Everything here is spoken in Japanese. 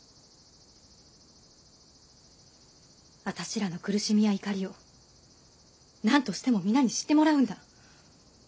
あたしらの苦しみや怒りを何としても皆に知ってもらうんだ。